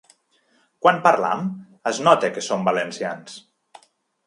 Quan parlam, es nota que som valencians.